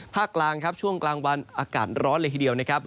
กลางครับช่วงกลางวันอากาศร้อนเลยทีเดียวนะครับ